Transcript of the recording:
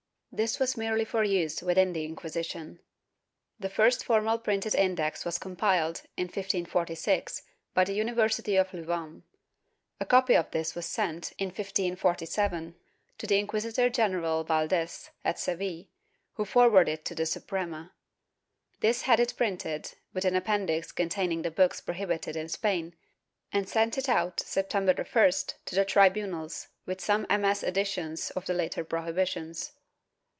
* This was merely for use within the Inquisition. The first formal printed Index was compiled, in 1546, by the University of Lou vain. A copy of this was sent, in 1547, to Inquisitor general Valdes, at Seville, who forwarded it to the Suprema. This had it printed, with an Appendix containing the books prohibited in Spain, and sent it out, September 1st, to the tribunals, with some MS. additions of later prohibitions.